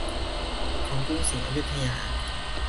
ของกรุงศรีอยุธยา